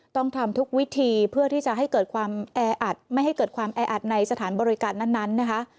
ต้องทำทุกวิธีเพื่อที่จะให้ไม่เกิดความแออัดในสถานบริการนั้นนะคะ